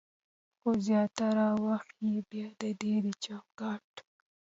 خو زياتره وخت يې بيا د دې چوکاټ